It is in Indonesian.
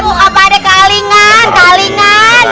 gimana dia yang takutnya